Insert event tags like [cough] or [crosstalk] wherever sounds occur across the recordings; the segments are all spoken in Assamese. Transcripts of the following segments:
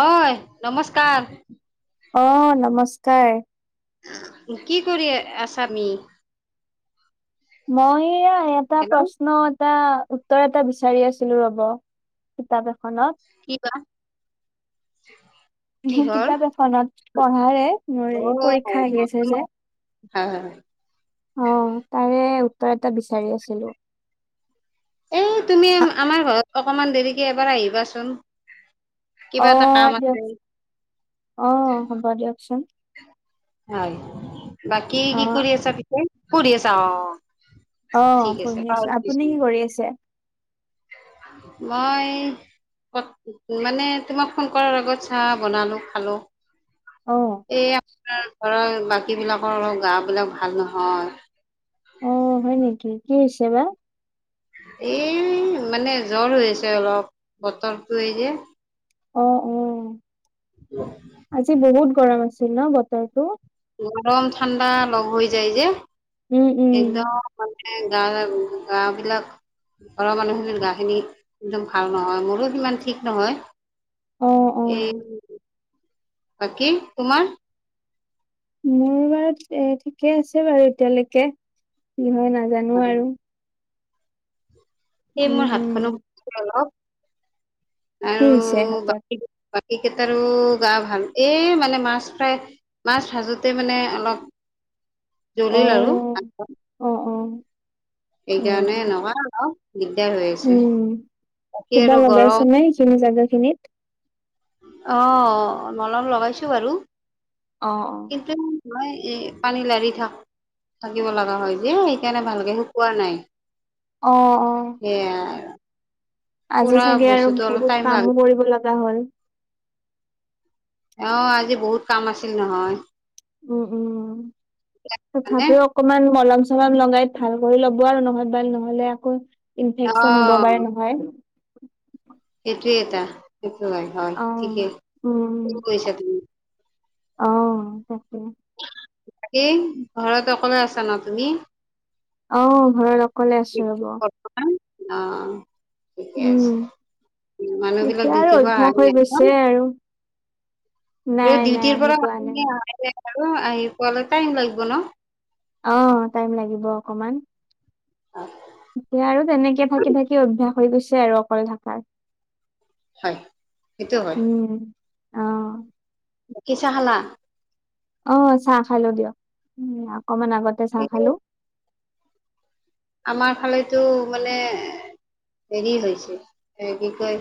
হয় নমস্কাৰ অ নমস্কাৰ কি কৰি আছামি মই এয়া এটা হেল্ল' প্ৰশ্ন এটা উত্তৰ এটা বিচাৰি আছিলো ৰ'ব কিতাপ এখনত কি ক কিতাপ এখনত পঢ়াৰে মোৰ অ এই পৰীক্ষা আহি আছে যে হয় হয় অ তাৰে উত্তৰ এটা বিচাৰি আছিলো এ তুমি আমাৰ ঘৰত অকমান দেৰিকে এবাৰ আহিবাচোন কিবা অ এটা কাম আছে দিয়ক অ হ'ব দিয়কচোন হয়, বাকী অ কি কৰি আছা পিছে, পঢ়ি আছা, অ' ঠিক অ', আছে পঢ়ি আছোঁ, পাহৰি আপুনি গৈছিলো কি কৰি আছে? মই কত-মানে তোমাক ফোন কৰাৰ আগত চাহ বনালো, খালোঁ অ এই আপোনাৰ ধৰক বাকীবিলাকৰ অলপ গা বিলাক ভাল নহয়। অ', হয় নেকি, কি হৈছে বা? এ মানে জ্বৰ হৈ আছে অলপ, বতৰটো এই যে অ' অ', আজি বহুত গৰম আছিল ন বতৰটো? গৰম ঠাণ্ডা লগ হৈ যায় যে, উম উম একদম মানে মানে গা-গা বিলাক ঘৰৰ মানুহখিনিৰ গাখিনি একদম ভাল নহয়, মোৰো সিমান ঠিক নহয় অ অ এ, বাকী তোমাৰ? মোৰ বাৰু এ, ঠিকে আছে বাৰু এতিয়ালৈকে, কি হয় না নাজানো আৰু এই উম মোৰ হাতখনো উম [unintelligible] অলপ কি আৰু হৈছে হাতত? বাকী বাকী কেইটাৰো গা ভাল, এই মানে মাছ ফ্ৰাই মাছ ভাজোঁতে মানে অলপ, অ জ্বলিল আৰু হাতখন। অ অ উম এইকাৰণে এনেকুৱা হ'ল আৰু। দিগদাৰ হৈ আছে, উম বাকী কিবা আৰু লগাইছে গৰম নে এইখিনি জাগা খিনিত? অ', মলম লগাইছো বাৰু। অ' অ' নহয়, এ পানী লাৰি থাক-থাকিব লগা হয় যে, সেইকাৰণে ভালকে শুক শুকুৱা নাই, অ অ অ সেয়াই আৰু। আজি চাগে আৰু বহুত টাইম লাগে কামো কৰিব লগা হ'ল? অ', আজি বহুত কাম আছিল নহয়। উম উম, মানে তথাপিও অকমান মলম চ চলম লগাই ভাল কৰি ল'ব আৰু নহ'বা-নহ'লে আকৌ অ ইনফেকচন হ'ব পাৰে নহয়। [inaudible] সেইটোয়ে এটা, সেইটো হয় হয়, অ। ঠিকেই, উম ঠিকেই কৈছা তুমি। অ', তাকে বাকী, ঘৰত অকলে আছা ন তুমি? অ', ঘৰত অকলে আছো ৰ'ব। বৰ্তমান অ' ঠিকে উম, আছে, মানুহ বিলাক এতিয়া আৰু ডিউটিৰ পৰা অভ্যাস আহি হৈ গৈছে একদম আৰু। এই নাই নাই ডিউটিৰ আহি পৰা পোৱা নাই। আৰু আহি পোৱালে টাইম লাগিব ন। অ' টাইম লাগিব অকমান। এতিয়া আৰু তেনেকে থাকি থাকি অভ্যাস হৈ গৈছে আৰু অকলে থাকাৰ। হয়, সেইটো হয়। অহ' বাকি, চাহ খালা? অ' চাহ খালোঁ দিয়ক, উম, অকমান আগতে চাহ খালোঁ। আমাৰ ফালেতো মানে হেৰি হৈছে এই কি কয়।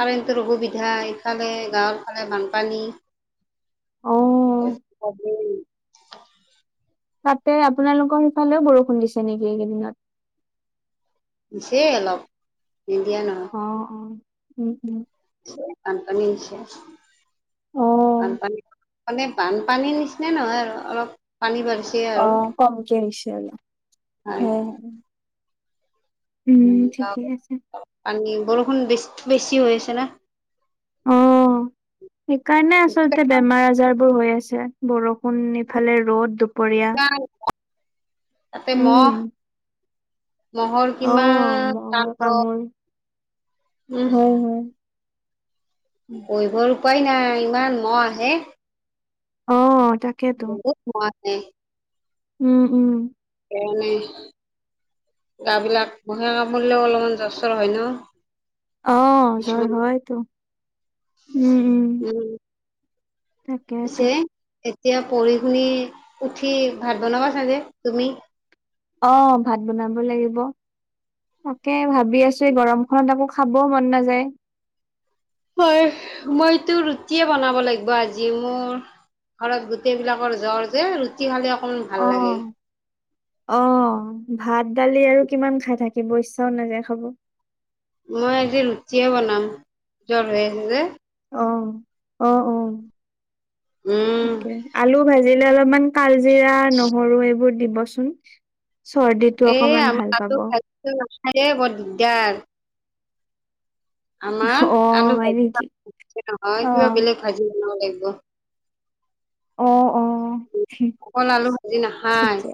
কাৰেণ্টৰ অসুবিধা, ইফালে গাঁৱৰ ফালে বানপানী। অ' কাৰেণ্ট হ'বই তাতে, আপোনালোকৰ সিফালেও বৰষুণ দিছে নেকি এইকেইদিনত? ছে অলপ। নিদিয়া অ' অ' উম, উম। বানপানী আহিছে, অ' বানপানী মানে বানপানীৰ নিচিনা নহয় আৰু, অলপ পানী বাঢ়ি অ', কমকে আহিছে আৰু‌ হয় [unintelligible] উম, আছে। পানী বৰষুণ বেছি-বেছি হৈছে না? অ', সেইকাৰণে আচলতে বেমাৰ আজাৰ বোৰ হৈ আছে, বৰষুণ ইফালে ৰ'দ দুপৰীয়া তাতে উম মহ মহৰ অ কিমান মহৰ কামোৰ তাণ্ডৱ উম। হয় হয়। বহিবৰ উপায় নাই, ইমান মহ আহে। অ'। তাকেতো বহুত মহ আহে। উম, উম। [unintelligible] বিলাক মহে কামুৰিলেয়ো অলপমান জ্বৰ, চৰ হয় ন? অ', জ্বৰ কিছুমান হয়তো উম, উম। তাকেতো পিছে এ এতিয়া পঢ়ি শুনি উঠি, ভাত বনাবা চাগে তুমি? অ' ভাত বনাব লাগিব। তাকে ভাবি আছো গৰমখনত আকৌ খাবও মন নাযায়। হয় মইতো ৰুটিয়ে বনাব লাগিব আজিও। ঘৰত গোটেই বিলাকৰ জ্বৰ যে ৰুটি খালে অকমান ভাল অ লাগে -অ ভাত। দালি আৰু কিমান খাই থাকিব ইচ্ছাও নাযায় খাব। মই আজি ৰুটিয়ে বনাম জ্বৰ হৈ আছে যে। অ- অ- অ উম তাকে আলু ভাজিলে অলপমান কাল। কালজিৰা নহৰু এইবোৰ দিবচোন চৰ্দিটো এ অকমান ভাল আমাৰ পাব। [inaudible] বৰ দিগদাৰ। আমাৰ অ আলু হয় ভাজি নেকি? নহয় কিবা অ', বেলেগ ভাজি। ন' লাগিব। অ' অ' অকল আলু ভাজি নাখায়। [inaudible] ঠিকে।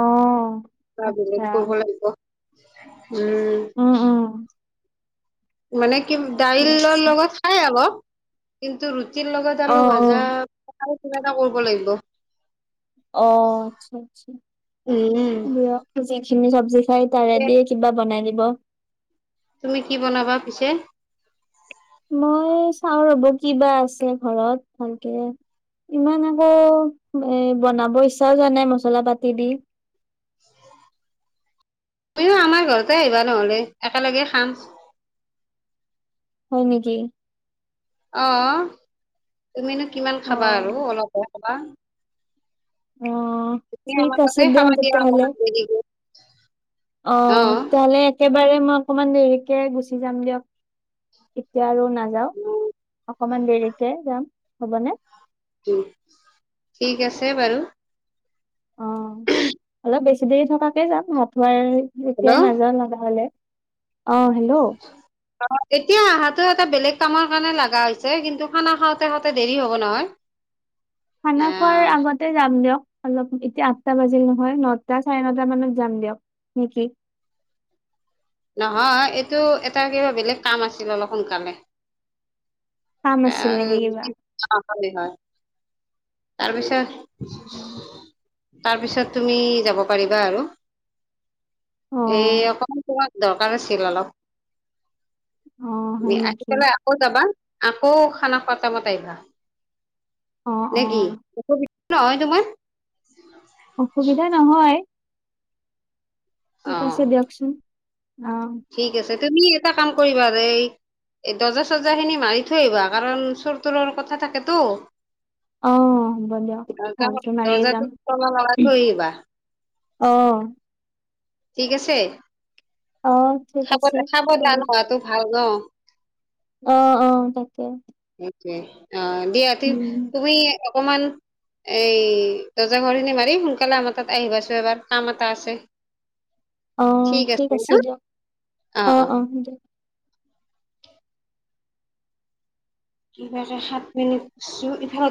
অ', কিবা বেলেগ আচ্ছা কৰিব লাগিব। উম। মানে কি ঠিকে দাইলৰ আছে। লগত খাই আকৌ, কিন্তু ৰুটি ৰুটিৰ লগত অ', আলু ভজা অ', কিবা এটা কৰিব লাগিব। অ' আচ্ছা -আচ্ছা উম দিয়ক যি খিনি চবজি। চাই তাৰেদি কিবা বনাই দিব। তুমি কি বনাবা পিছে? মই চাও ৰ'ব কিবা আছে ঘৰত ভালকে। ইমান আকৌ এ বনাব ইচ্ছাও যোৱা নাই মছলা পাতি দি। তুমিও আমাৰ ঘৰতে আহিবা নহ'লে একেলগে খাম হয় নেকি? অ তুমিনো কিমান খাবা অ'। আৰু অলপে খাবা অ তুমি ঠিক আমাৰ তাতে আছে দে খাবা দিয়া তেতিয়াহলে অকমান দেৰিকৈ অ তেতিাহলে একেবাৰে মই অকমান দেৰিকে গুচি যাম দিয়ক এতিয়া আৰু নাযাও অকমান দেৰিকে যাম হ'বনে ঠিক আছে বাৰু অ অলপ বেছি দেৰি থকাকে যাম মথুৱা এতিয়াই হেল্ল' নাযাওঁ লগা হলে অ', হেল্ল'। এতিয়া অহাতো এটা বেলেগ কামৰ কাৰণে লগা হৈছে কিন্তু খানা খাওঁতে খাওঁতে দেৰি হ'ব নহয় খানা খোৱাৰ আহ আগতে যাম দিয়ক অলপ এতিয়া আঠটা বাজিল নহয় নটা চাৰে নটা মানত যাম দিয়ক নেকি [inaudible] নহয় এইটো এটা কিবা বেলেগ কাম আছিল অলপ সোনকালে কাম আছিল নেকি কিবা? এ হয়। তাৰপিছত তাৰপিছত তুমি যাব পাৰিবা আৰু এ অ', অক দৰকাৰ আছিল অলপ অ', হয় আহি নেকি? পেলাই আকৌ যাবা আকৌ খানা খোৱাৰ টাইমত আহিব অ', নে কি অ', এক নহয় তোমাৰ? অসুবিধা নহয়। অ। ঠিক আছে দিয়কচোন অ, ঠিক আছে তুমি এটা কাম কৰিবা দেই। এই দৰ্জা চজা খিনি মাৰি থৈ আহিবা কাৰণ চোৰ তোৰৰ কথা থাকেতো- অ হ'ব দিয়ক ভালকে মাৰিয়ে দৰ্জাটো যাম লগাটো আহিবা। অ', ঠিক আছে অ ঠিক খাব আছে সাৱধান হোৱাতটো ভাল ন। অহ অহ তাকে অ, দিয়া উম তুমি অকমান এই দজা ঘৰখিনি মাৰি সোনকালে আমাৰ তাত আহিবাচো এবাৰ কাম এটা আছে। ঠিক আছে ন অ - অ। কিবে সাত মিনিটছো ইফালো